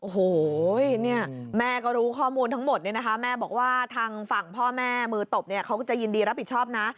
โอ้โหเนี่ยแม่ก็รู้ข้อมูลทั้งหมดเนี่ยนะคะแม่บอกว่าทางฝั่งพ่อแม่มือตบเนี่ยเขาก็จะยินดีรับผิดชอบนะ